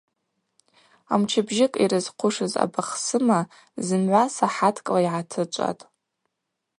Мчыбжьыкӏ йрызхъушыз абахсыма зымгӏва сахӏаткӏла йгӏатычӏватӏ.